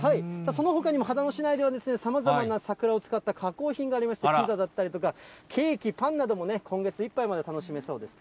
そのほかにも秦野市内では、さまざまな桜を使った加工品がありまして、ピザだったりとか、ケーキ、パンなども今月いっぱいまで楽しめるそうです。